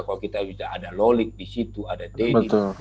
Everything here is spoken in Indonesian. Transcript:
kalau kita ada lolik di situ ada danny